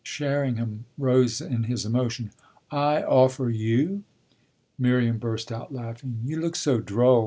Sherringham rose in his emotion. "I 'offer' you ?" Miriam burst out laughing. "You look so droll!